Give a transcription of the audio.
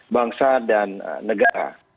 bangsa dan negara